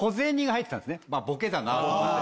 ボケだなと思って。